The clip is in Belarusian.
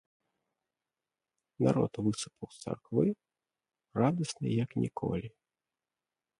Народ высыпаў з царквы радасны як ніколі.